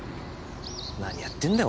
何やってんだよ